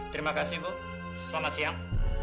terima kasih bu selamat siang